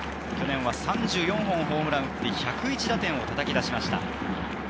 去年は３４本ホームランを打って、１０１打点をたたき出しました。